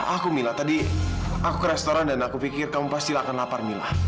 aku mila tadi aku ke restoran dan aku pikir kamu pastilah akan lapar mila